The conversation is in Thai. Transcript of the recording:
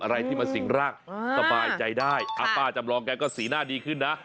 อะไรที่มาสิ่งร่างสบายใจได้ป้าจำลองแกก็สีหน้าดีขึ้นนะ